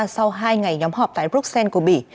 sau hai ngày nhóm họp tại bruxelles của mỹ